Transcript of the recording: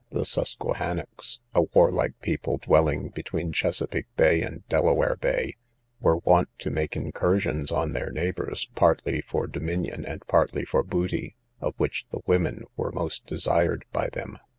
The Susquehanocks, a warlike people, dwelling between Chesapeak Bay and Delaware Bay, were wont to make incursions on their neighbours, partly for dominion and partly for booty, of which the women were most desired by them.